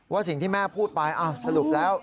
สิ่งที่แม่พูดไปสรุปแล้ว